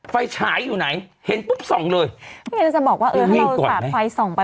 ไฟฉายอยู่ไหนเห็นปุ๊บส่องเลยไม่งั้นจะบอกว่าเออให้เราสาดไฟส่องไป